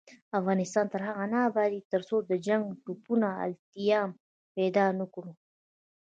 افغانستان تر هغو نه ابادیږي، ترڅو د جنګ ټپونه التیام پیدا نکړي.